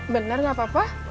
benar enggak apa apa